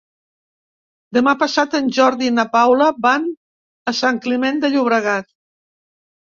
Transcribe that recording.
Demà passat en Jordi i na Paula van a Sant Climent de Llobregat.